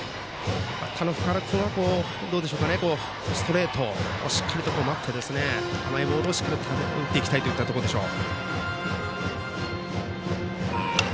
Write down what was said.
バッターの福原君はストレートをしっかりと待って甘いボールをしっかりと打っていきたいというところでしょう。